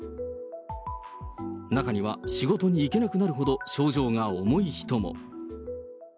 中には仕事に行けなくなるほど症状が重い人も。